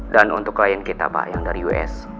dan untuk klien kita pak yang dari us